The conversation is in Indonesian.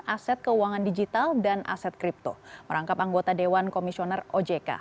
aset keuangan digital dan aset kripto merangkap anggota dewan komisioner ojk